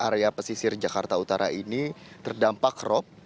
area pesisir jakarta utara ini terdampak rop